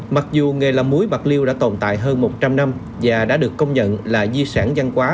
mặc dù nghề làm muối bạc liêu đã tồn tại hơn một trăm linh năm và đã được công nhận là di sản văn hóa